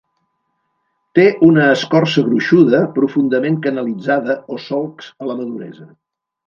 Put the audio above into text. Té una escorça gruixuda, profundament canalitzada o solcs a la maduresa.